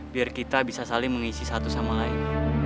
biar kita bisa saling mengisi satu sama lain